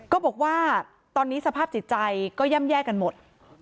ก็บอกว่าตอนนี้สภาพจิตใจก็ย่ำแย่กันหมด